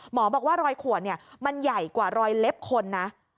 หมอบอกว่ารอยขวดมันใหญ่กว่ารอยเล็บคนนะ